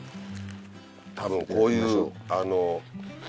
多分こういう。